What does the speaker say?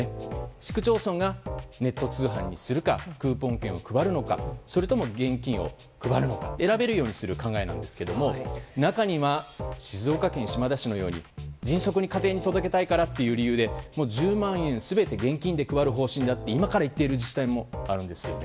市区町村がネット通販にするかクーポン券を配るのかそれとも現金を配るのか選べるようにする考えなんですが中には静岡県島田市のように迅速に家庭に届けたいからという理由で１０万円全て現金で配る方針だと今から言っている自治体もあるんですよね。